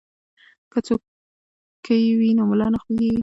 که څوکۍ وي نو ملا نه خوږیږي.